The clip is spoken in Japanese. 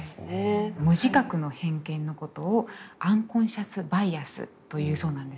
無自覚の偏見のことをアンコンシャス・バイアスというそうなんですね。